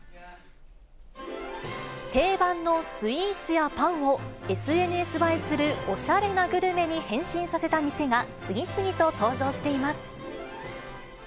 定番のスイーツやパンを、ＳＮＳ映えするおしゃれなグルメに変身させた店が次々と登場しています。